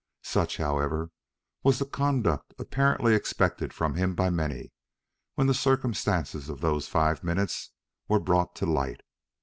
Such, however, was the conduct apparently expected from him by many, when the circumstances of those five minutes were brought to the light.